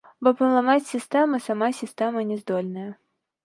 Бо паламаць сістэму сама сістэма не здольная.